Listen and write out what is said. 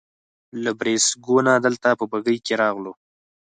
له بریساګو نه دلته په بګۍ کې راغلو.